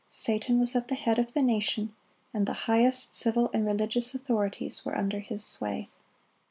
Satan was at the head of the nation, and the highest civil and religious authorities were under his sway.